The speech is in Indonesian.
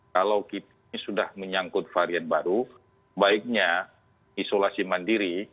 kalau kita sudah menyangkut varian baru baiknya isolasi mandiri